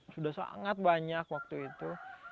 sudah sangat banyak waktu itu